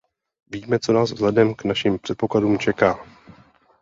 Víme, co nás vzhledem k našim předpokladům čeká.